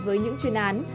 với những chuyên án